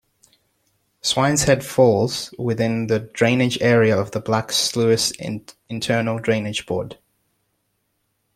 Swineshead falls within the drainage area of the Black Sluice Internal Drainage Board.